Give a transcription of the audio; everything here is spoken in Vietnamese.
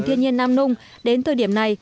thiên nhiên nam nông đến thời điểm này